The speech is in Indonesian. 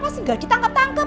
kenapa sih gak ditangkap tangkap